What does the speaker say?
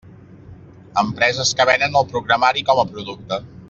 Empreses que venen el programari com a producte.